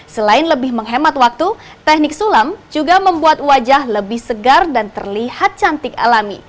selain lebih menghemat waktu teknik sulam juga membuat wajah lebih segar dan terlihat cantik alami